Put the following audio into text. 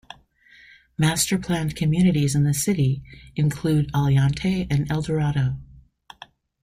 Master-planned communities in the city include Aliante and Eldorado.